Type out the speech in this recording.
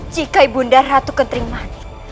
jika ibu nda ratu ketering mani